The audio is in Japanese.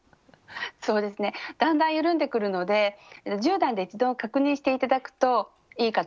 そうですねだんだん緩んでくるので１０段で一度確認して頂くといいかと思います。